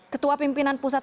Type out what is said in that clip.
ketua pimpinan pusat